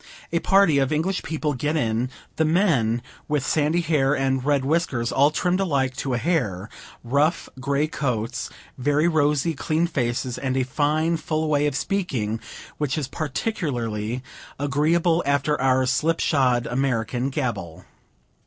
A party of English people get in the men, with sandy hair and red whiskers, all trimmed alike, to a hair; rough grey coats, very rosy, clean faces, and a fine, full way of speaking, which is particularly agreeable, after our slip shod American gabble.